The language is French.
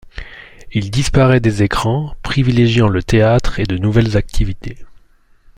Il disparaît des écrans, privilégiant le théâtre et de nouvelles activités.